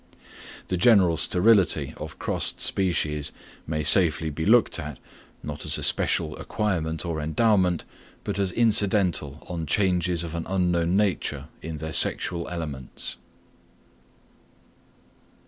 The general sterility of crossed species may safely be looked at, not as a special acquirement or endowment, but as incidental on changes of an unknown nature in their sexual elements.